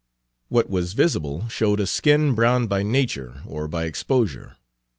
What was visible showed a skin browned by nature or by exposure.